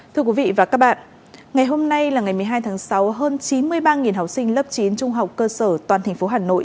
thưa quý vị và các bạn ngày hôm nay là ngày một mươi hai tháng sáu hơn chín mươi ba học sinh lớp chín trung học cơ sở toàn thành phố hà nội